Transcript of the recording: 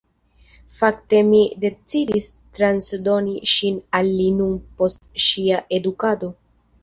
Fakte mi decidis transdoni ŝin al li nun post ŝia edukado.